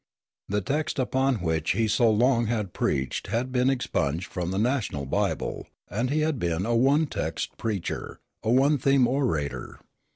The text upon which he so long had preached had been expunged from the national bible; and he had been a one text preacher, a one theme orator.